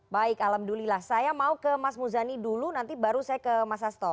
baik alhamdulillah saya mau ke mas muzani dulu nanti baru saya ke mas sasto